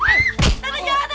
tante tante udah tante